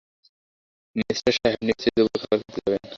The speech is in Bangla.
মিনিস্টার সাহেব নিশ্চয়ই দুপুরের খাবার খেতে যাবেন।